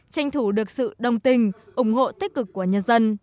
tranh thủ được sự đồng tình ủng hộ tích cực của nhân dân